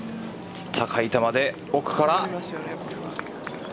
高い球で奥から。